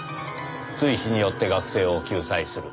追試によって学生を救済する。